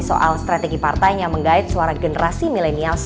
soal strategi partainya mengait suara generasi milenials